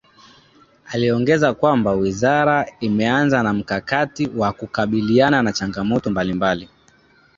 Aliongeza kwamba Wizara imeanza na mkakati wa kukabiliana na changamoto mbalimbali